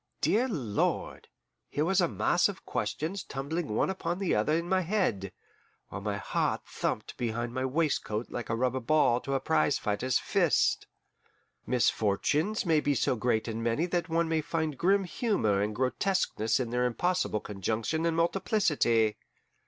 Dear Lord! here was a mass of questions tumbling one upon the other in my head, while my heart thumped behind my waistcoat like a rubber ball to a prize fighter's fist. Misfortunes may be so great and many that one may find grim humour and grotesqueness in their impossible conjunction and multiplicity.